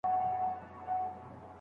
څېړونکی د متن ژبنی جوړښت څېړي.